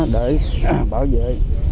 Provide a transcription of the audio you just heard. để bảo vệ